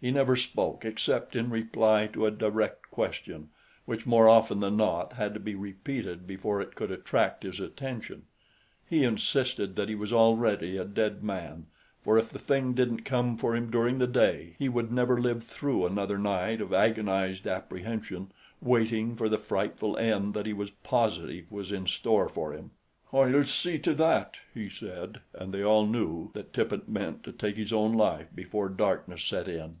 He never spoke except in reply to a direct question, which more often than not had to be repeated before it could attract his attention. He insisted that he was already a dead man, for if the thing didn't come for him during the day he would never live through another night of agonized apprehension, waiting for the frightful end that he was positive was in store for him. "I'll see to that," he said, and they all knew that Tippet meant to take his own life before darkness set in.